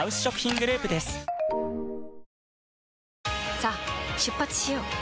さあ出発しよう。